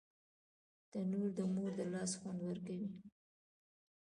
تنور د مور د لاس خوند ورکوي